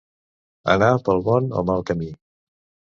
Anar pel bon o mal camí.